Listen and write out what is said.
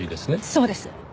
そうです。